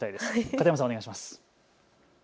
片山さん、お願いします。